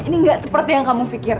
ini nggak seperti yang kamu pikir